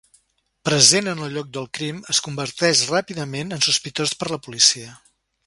Present en el lloc del crim, es converteix ràpidament en sospitós per la policia.